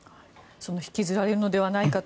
引きずられるのではないかと。